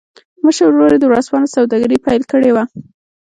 مشر ورور يې د ورځپاڼو سوداګري پیل کړې وه